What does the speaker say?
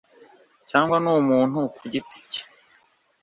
cyangwa n'umuntu ku giti ke